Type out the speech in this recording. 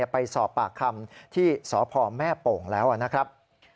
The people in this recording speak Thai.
ไปสอบปากคำที่สพแม่โป่งแล้วนะครับ